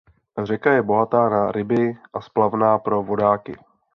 Řeka je bohatá na ryby a splavná pro vodáky.